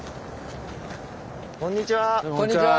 こんにちは。